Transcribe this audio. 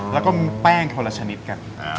แล้วก็แป้งเท่าระชนิดกัน